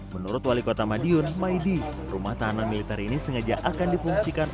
menurut wali kota madiun maidi rumah tahanan militer ini sengaja akan difungsikan